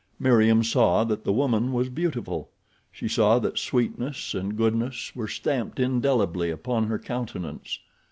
Meriem saw that the woman was beautiful. She saw that sweetness and goodness were stamped indelibly upon her countenance.